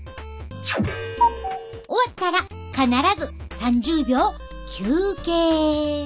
終わったら必ず３０秒休憩。